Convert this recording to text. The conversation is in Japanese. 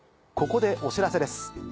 ここでお知らせです。